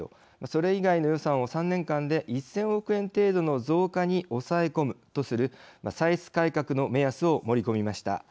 それ以外の予算を３年間で１０００億円程度の増加に抑え込むとする歳出改革の目安を盛り込みました。